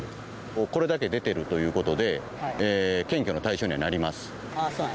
もうこれだけ出てるということで検挙の対象にはなりますああ